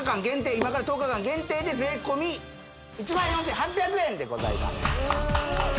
今から１０日間限定で税込１４８００円でございます